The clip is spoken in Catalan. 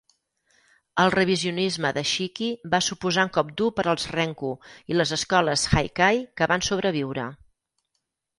El revisionisme de Shiki va suposar un cop dur per als renku i les escoles haikai que van sobreviure.